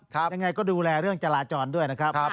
ยังไงก็ดูแลเรื่องจราจรด้วยนะครับ